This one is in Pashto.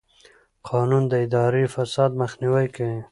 قانون د اداري فساد مخنیوی کوي.